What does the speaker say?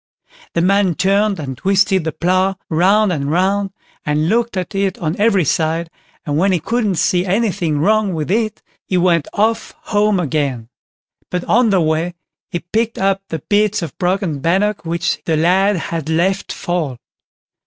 The man turned and twisted the plough round and round, and looked at it on every side, and when he couldn't see anything wrong with it he went off home again; but on the way he picked up the bits of broken bannock which the lad had let fall.